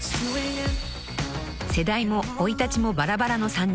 ［世代も生い立ちもばらばらの３人］